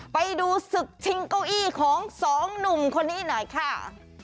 ไปดูศึกชิงเก้าอี้ของสองหนุ่มคนนี้หน่อยค่ะ